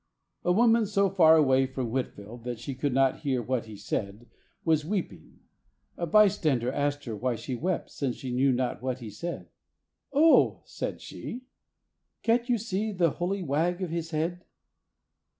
A woman so far away from Whitfield that she could not hear what he said, was weeping. A bystander asked her why she wept, since she knew not what he said. "Oh," said she, "can't you see the holy wag of his head?"